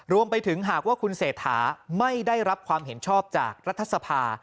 รวมไปถึงหากว่าคุณเศรษฐาไม่ได้รับความเห็นชอบจากรัฐสภา